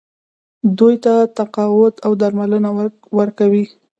دوی ته تقاعد او درملنه ورکوي.